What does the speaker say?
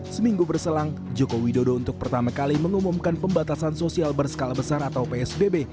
seminggu berselang joko widodo untuk pertama kali mengumumkan pembatasan sosial berskala besar atau psbb